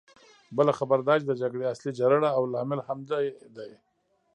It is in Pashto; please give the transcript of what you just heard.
بله خبره دا چې د جګړې اصلي جرړه او لامل همدی دی.